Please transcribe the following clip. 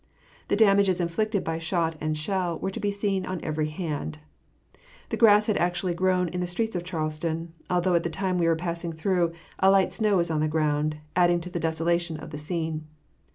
The damages inflicted by shot and shell were to be seen on every hand. The grass had actually grown in the streets of Charleston, although at the time we were passing through, a light snow was on the ground, adding to the desolation of the scene.